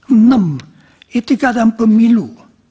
enam etika dan pemilu